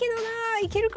いけるかな。